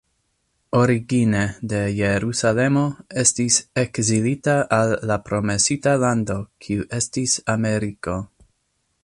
Origine de Jerusalemo, estis ekzilita al la promesita lando kiu estis Ameriko.